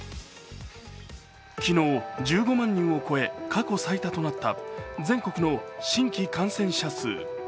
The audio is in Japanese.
昨日１５万人を超え過去最多となった全国の新規感染者数。